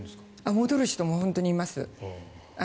戻る人も本当にいます。